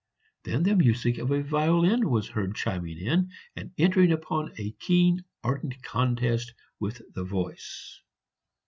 Then the music of a violin was heard chiming in and entering upon a keen ardent contest with the voice.